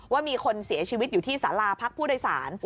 ว่ามีคนเสียชีวิตอยู่ที่สาราพักผู้โดยสาร